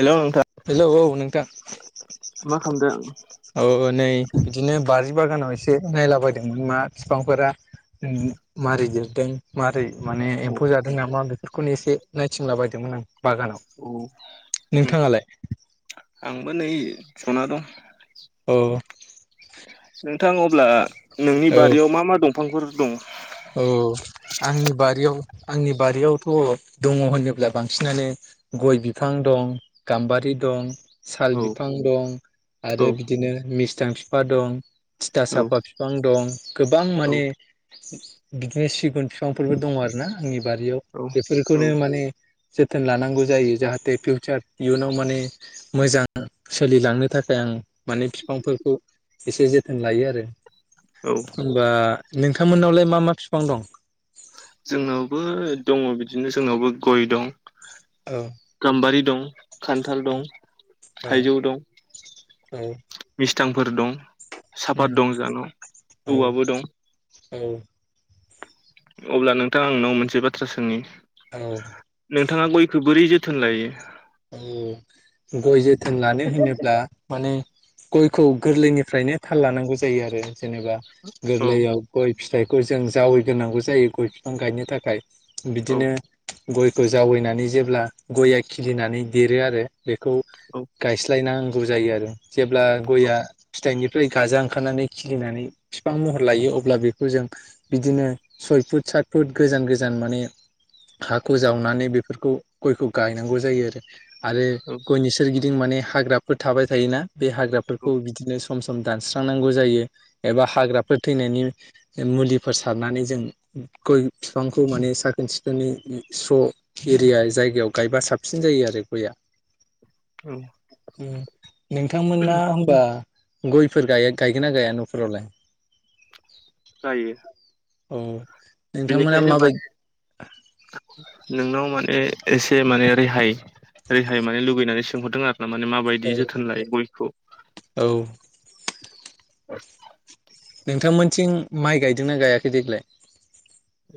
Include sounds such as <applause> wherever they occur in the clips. हेल' नोंथां। हेलौ औ नोंथां मा खालामदों? औ नै बिदिनो बारि बागानाव एसे नायलाबायदोंमोन मा फिफांफोरा उम मारै देरदों मारै माने एम्फौ जादों नामा बे खौनो एसे नायथिंला बायदोंमोन आं बागानाव। औ नोंथाङालाय? आंबो नै ज'ना दं। औ। नोंथां अब्ला नोंनि औ बारियाव मा मा दंफांफोर दं? औ आंनि बारियाव आंनि बारियावथ' दङ' होनोब्ला बांसिनानो गय बिफां दं गाम्बारि दं साल औ बिफां दं आरो औ बिदिनो मिस्थां फिफा दं। थिथा औ साफा फिफां दं गोबां औ माने बिदिनो सिगुन फिफांफोरबो दङ' आरो ना आंनि बारियाव। औ औ बेफोरखौनो माने जोथोन लानांगौ जायो। जाहाथे फिउचार इयुनाव माने मोजां सोलिलांनो थाखाय आं माने बिफांफोरखौ एसे जोथोन लायो आरो औ होनबा नों जोंनावबो दङ' बि दिनो जोंनावबो गय दं, औ गाम्बारि दं, खान्थाल औ दं, औ थाइजौ दं, औ मिस्थांफोर दं, साफात दं जानाव, औवाबो दं औ। अब्ला नोंथां आं नोंनाव मोनसे बाथ्रा सोंनि। औ नोंथाङा गयखो बोरै जो थोन लायो? औ गय जोथोन लानो होनोब्ला माने गयखौ गोरलैनिफ्रायनो थाल लानांगौ जायो आरो जेनेबा औ गोरलैयाव गय फिथाइखौ जों जावैग्रोनांगौ जायो गय फिफां गायनो थाखाय। औ बिदिनो गयखौ जावैनानै जेब्ला गया खिलिनानै देरो आरो बेखौ औ गायस्लायनांगौ जायो आरो जेब्ला गया फिथाइनि फ्राय गाजा ओंखारनानै खिलिनानै फिफां महर लायो अब्ला बेखौ जों बिदिनो सय फुट सात फुट गोजान गोजान माने हाखौ जावनानै बेफोरखौ गयखौ गायनांगौ जायो आरो औ औ गयनि सोरगि दिं माने हाग्राफोर थाबाय थायो ना। बे हाग्राफोरखौ बिदिनो सम सम दानस्रांनांगौ जायो एबा हाग्राफोर थैनायनि मुलिफोर सारनानै जों गय फिफांखौ माने साखोन सि जोंनि स' एरिया जायगायाव गायबा साब साबसिन जायो आरो गयआ औ नोंथांमोना होमबा गयफोर गायगोन ना गाया न'फोरावलाय जायो औ नोंथांमोना बिनिखायनो माबायदि माने नोंनाव माने एसे माने रेहाय रेहाय माने लुगैनानै सोंहरदों आरो माने माबायदि औ जोथोन लायो गयखौ औ नोंथांमोनथिं माइ गायदोंना गायाखै देग्लाय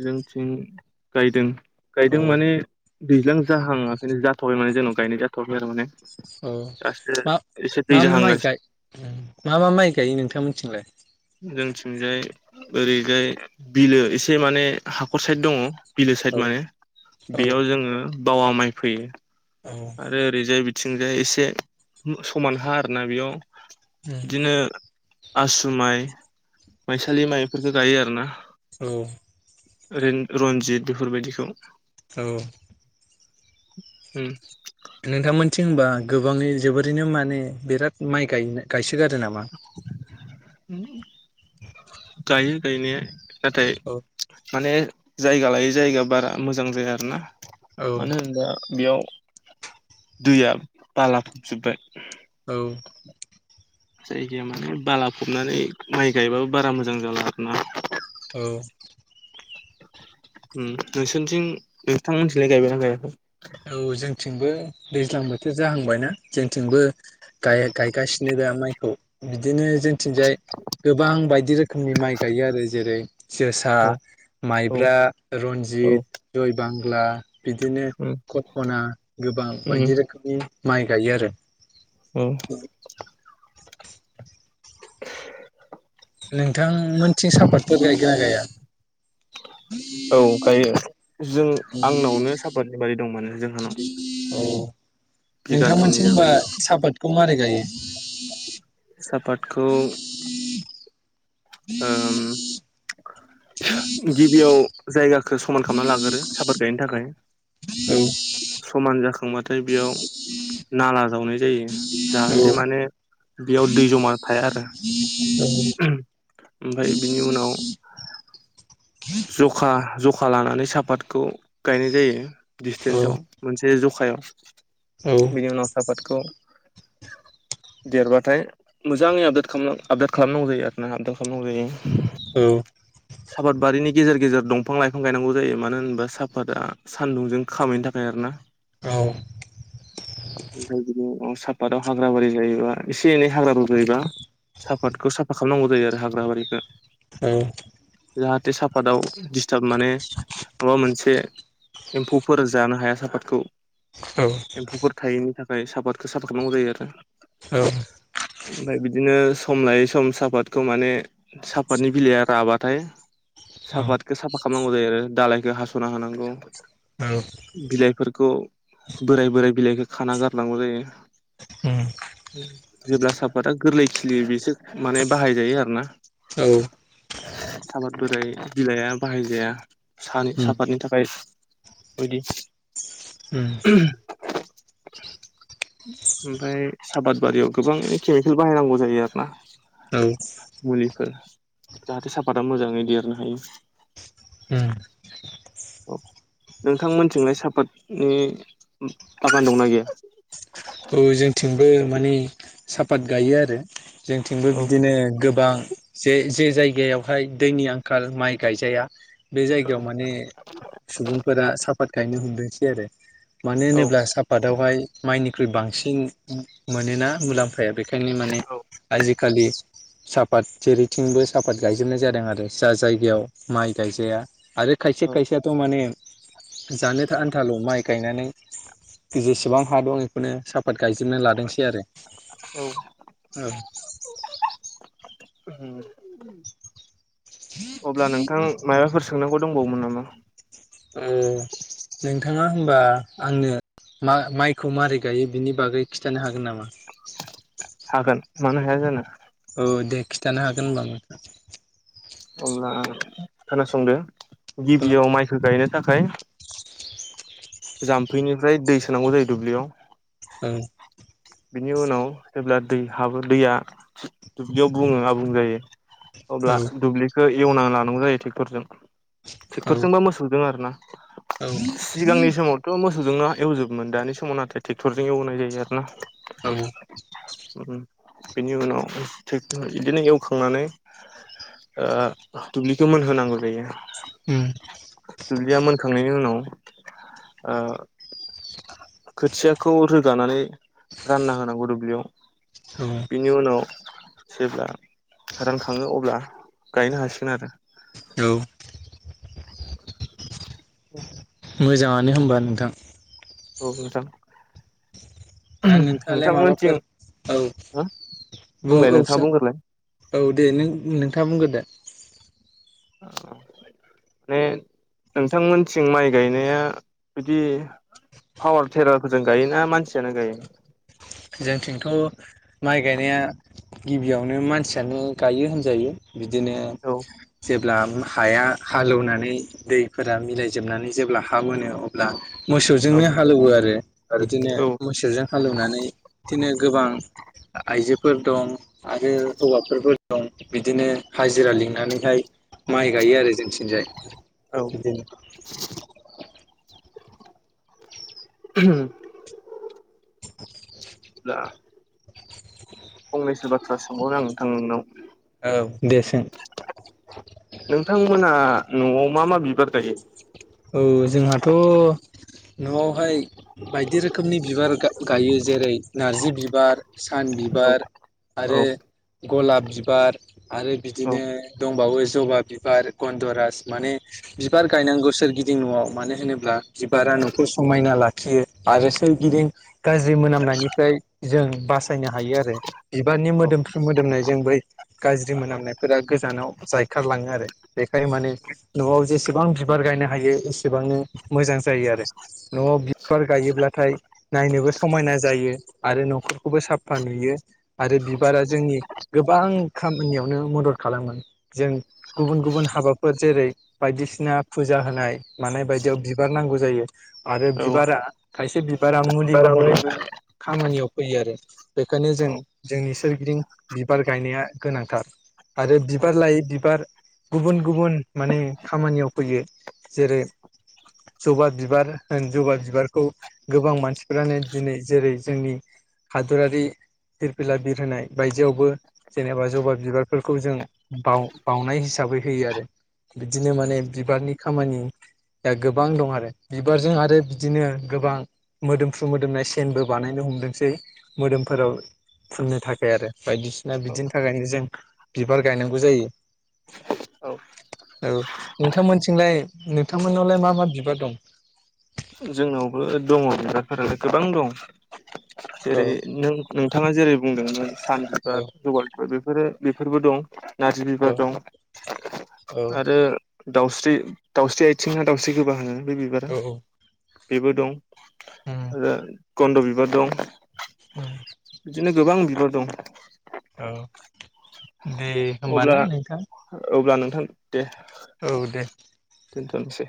जोंनिथिं गायदों गायदों औ माने दैज्लां जाहांआखै, बि जाथ'वाखैय माने जोंनाव गायनाय जाथ'वाखै आरो माने, औ दासो एसे दै मा-मा माइ गाय जाहांगासिनो ओं मा मा माइ गायो नोंथांमोनथिंलाय? जोंथिंजाय ओरैजाय बिलो एसे माने हाखर साइद दंङ, बिलो औ साइद माने औ बेयाव जोंङो बावा माइ फैयो, औ आरो ओरैजाय बिथिंजाय एसे समान हा आरोना बेयाव, बिदिनो आसु माइ, माइसालि माइ, बेफोरखौ गायो आरोना, औ रन्जित बेफोरबायदिखौ औ ओं नोंथांमोनथिं होनबा गोबांङै जोबोरैनो माने बिराद माइ गाय गायसो गायो गायनाया, नाथाय औ माने जायगा लायै जायगा बारा मोजां जाया आरो ना औ मानो होनोबा बेयाव दैया बाला फबजोब्बाय, औ जायगाया माने बालाफबनानै माइ गायबाबो बारा मोजां जाला आरो ना, औ ओ नोंसोरनिथिं नोंथांमोनथिलाय गायबायना गायाखै? औ जोंथिंबो दैज्लां बोथोर जाहांबाय ना, जोंथिंबो गाय-गायगासिनो बे माइखौ बिदिनो, जोंथिंजाय गोबां बायदि रोखोमनि माइ गायो आरो जेरै, जोसा, औ औ माइब्रा, औ रन्जित, द'यबांला, बिदिनो उम कप'ना गोबां बायदि रोखोमनि माइ गायो, आरो औ <inaudible> बिथांमोननिथिं सापातफोर गायोना गाया? औ गायो जों आंनावनो सापातनि बारि दं माने जोंहानाव, औ बिगाथामनि नोंथांमोनसिम होनबा जागोन सापातखौ मारै गायो? सापादखौ, ओम गिबियाव जायगाखौ समान खालामना लाग्रो साफत गायनो औ थाखाय, औ समान जाखांबाथाय बेयाव, नाला जावनाय जायो, जाहाथे माने बेयाव दै जमा थाया आरो ओमफाय बिनि उनाव, जखा-जखा लानानै सापातखौ गायनाय जायो, औ दिसटेन्सआव मोनसे जखा जखायाव औ बिनि उनाव सापातखौ, देरबाथाय मोजांङै आबदाल खालाम आबदाल खालामनांगौ जायो आरोना आबदाल खालामनांगौ जायो, औ सापाद बारिनि गेजेर गेजेर दंफां लाइफां गायनांगौ जायो, मानो होनबा साफाता सान्दुंजों खामैनि थाखाय आरो ना, औव ओमफ्राय बि सापतआव हाग्राबारि जायोबा, एसे एनै हाग्रा रज'योबा सापातखौ साफा खालामनांगौ जायो, आरो हाग्रा बारिखो <inaudible> जे सापाताव दिडस्टाब माने माबा मोनसे एम्फौफोर जानो हाया सापादखौ औ एम्फौफोर थायैनि थाखाय सापादखौ साफा खालामनांगौ जायो, औ आरो ओमफ्राय बिदिनो सम लायै सम सापातखौ माने सापातनि बिलाइया राबाथाय औ साफातखौ साफा खालामनांगौ जायो आरो दालायखौ हास'ना हानांगौ औ बिलाइफोरखौ बोराय बोराय बिलाइखौ खाना गारनांगौ जायो उम जेब्ला साफातआ गोरलै खिलियो बेसो माने बाहायजायो आरोना औ उम <unintelligible> बोराय बिलाइया बाहायजाया सान साफतनि थाखाय बायदि ओम <inaudible> ओमफ्राय साबाद बारियाव गोबां केमिकेल बाहायनांगौ जायो आरो ना। औ मुलिफोर जाहाथे साफाता मोजाङै देरनो हायो उम <inaudible> नोंथांमोनथिंलाय सापातनि बागान दंना गैया? औ जोंथिंबो माने साफात गायो आरो जोंथिंबो औ बिदिनो गोबां जे जे जायगायावहाय दैनि आंखाल माइ गायजाया बे जायगायाव माने सुबुंफोरा साफात गायनो हमदोंसै आरो। मानो औ होनोब्ला सापादावहाय माइनिख्रुइ बांसिन मोनोना मुलाम्फाया बेखौ बेखायनो नि माने आजिखालि साफात जेरैथिंबो साफात गायजोबनाय जादों आरो जा जायगायाव माइ गायजाया। आरो खायसे औ खायसेयाथ' माने जानो आन्थाल' माइ गायनानै जेसेबां हा दं बेखौनो साफ आफाद गायजोबना लादोंसै आरो औ <inaudible> अब्ला नोंथां माबाफोर सोंनांगौ दंबावोमोन नामा? ओम नोंथाङा होमबा आंनो मा माइखौ मारै गायो बिनि बागै खिथानो हागोन नामा? हागोन मानो हाया जानो। औ दे खिथानो हागोन होमबा नोङा अब्ला खोनासंदो औ गिबियाव माइखौ गायनो थाखाय जाम्फैनिफ्राय दै सोनांगौ जायो दुब्लियाव औ बिनि उनाव जेब्ला दै हाबो दैया दुब्लियाव बुङो आबुं जायो अब्ला दुब्लिखौ एवनानै लानांगौ जायो टेक्टरजों औ टेक्टरजोंबा मोसौजों आर ना। औ सिगांनि समावथ' मोसौजोंनो एवजोबोमोन दानि समाव नाथाय टेक्टरजों एवनाय जायो आर ना। औ बेनि उनाव हाय टेक इदिनो एवखांनानै ओ दुब्लिखौ मोनहोनांगौ जायो। उम दुब्लिया मोनखांनायनि उनाव ओ खोथियाखौ रोगानानै रानना होनांगौ दुब्लियाव औ बिनि उनाव जेब्ला रानखाङो अब्ला गायनो हासिगोन आरो। औ। औ मोजाङानो होनबा नोंथां औ मोजां दा नोंथाङालाय माबाफोर औ हो बुं बुंलाय औ नोंथाङा सा बुंग्रोलाय औ दे नों नोंथाङा बुंगोन दे औ माने नोंथांमोनथिं माइ गायनाया बिदि पावार टेरार फोरजों गायोना मानसियानो गायो जोंनिथिंथ' माइ गायनाया गिबियावनो मानसियानो गायो होनजायो बिदिनो औ जे ब्ला हाया हालेवनानै दैफोरा मिलायजोबनानै जेब्ला हा मोनो अब्ला मोसौजोंनो हालौवो आरो बिदिनो औ मोसौजों हालौवनानै बिदिनो गोबां आइजोफोर दं आरो हौवाफोरबो दं बिदिनो हाजिरा लिंनानैहाय माइ गायो आरो जोंथिंजाय औ बिदिनो ह <inaudible> फंनैसो बाथ्रा सोंबाव नो आं नोंथां नोंनाव। औ दे सों नोंथांमोना न'आव मा मा बिबार गायो? औ जोंहाथ' न'आवहाय बायदि रोखोमनि बिबार गायो जेरै नारजि बिबार सान औ बिबार औ आरो गलाब बिबार आरो औ बिदिनो दंबावो जबा बिबार गन्दरास माने बिबार गायनांगौसो गिदिं न'आव मानो होनोब्ला बिबारा न'खर समायना लाखियो आरो सोरगिदिं गाज्रि मोना खालामनायनिफ्राय जों बासायनो हायो आरो बिबारनि मोदोमफ्रु मोदोमनाय जों बै गाज्रि मोनामनायफोरा गोजानाव जायखारलाङो आरो बेखायनो माने न'आव जेसेबां बिबार गायनो हायो हायो एसेबांनो मोजां जायो आरो न'आव बिबार गायोब्लाथाय नायनोबो समायना जायो आरो न'खरखौबो साफा नुयो। आरो बिबारा जोंनि गोबां खामानियावनो मदद खालामो जों गुबुन गुबुन हाबाफोर जेरै बायदिसिना फुजा होनाय मानाय बायदियाव बिबार नांगौ जायो आरो औ औ बिबारा खायसे बिबारा मुलि महर बेफोर खामानियाव फैयो आरो बेखायनो जों औ जोंनि सोरगिदिं बिबार गायनाया गोनांथार। आरो बिबार लायै बिबार गुबुन गुबुन माने खामानियाव फैयो। जेरै जबा बिबार होन जबा बिबारखौ गोबां मानसिफ्रानो दिनै जेरै जोंनि हादरारि फिरफिला बिर होनाय बायदियावबो जेनेबा जबा बिबारफोरखौ जों बा बावनाय हिसाबै होयो आरो बिदिनो माने बिबारनि खामानि दा गोबां दं आरो बिबारजों आरो बिदिनो गोबां मोदोमफ्रु मोदोमनाय सेनबो बानायनो हमदोंसै मोदोमफोराव फुननो थाखाय आरो बायदिसिना बिदिनि थाखायनो जों बिबार गायनांगौ जायो। औ औ नोंथांमोनथिंलाय नोंथांमोननावलाय मा मा बिबार दं? जोंनावबो दङ बिबारफोरालाय गोबां दं औ जेरै नों नोंथाङा जेरै बुंदों सान बिबार औ जबा बिबार बेफोरो बेफोरबो दं नारजि औ बिबार दं औ आरो दाउस्रि दावस्रि दाउस्रि आथिंना दाउस्रि गोबा होनो बे बिबारा औ बेबो दं उम आरो गन्न्द' बिबार दं औ बिदिनो गोबां बिबार दं औ दे अब्ला होमबाना नोंथां अब्ला नोंथां दे औ दे दन्थ'नोसै